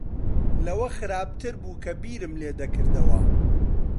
لەوە خراپتر بوو کە بیرم لێ دەکردەوە.